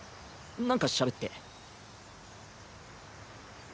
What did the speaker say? なんかしゃべって。